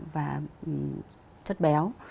và chất béo